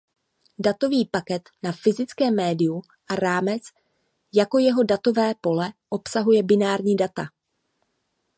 Datový paket na fyzickém médiu a rámec jako jeho datové pole obsahuje binární data.